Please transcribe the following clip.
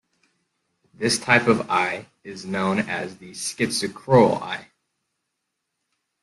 This type of eye is known as the schizochroal eye.